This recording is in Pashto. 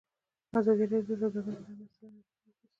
ازادي راډیو د سوداګري په اړه د مسؤلینو نظرونه اخیستي.